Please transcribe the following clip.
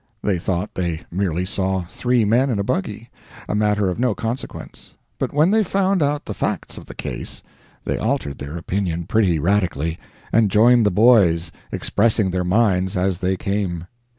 They thought they merely saw three men in a buggy a matter of no consequence; but when they found out the facts of the case, they altered their opinion pretty radically, and joined the boys, expressing their minds as they came.